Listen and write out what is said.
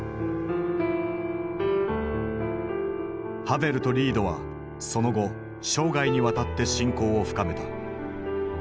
ハヴェルとリードはその後生涯にわたって親交を深めた。